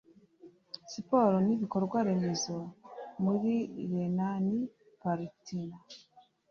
Siporo n’Ibikorwa-remezo muri Rhénani Palatinat